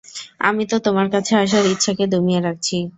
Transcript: আমি তো, তোমার কাছে আসার ইচ্ছাকে দমিয়ে রাখছি।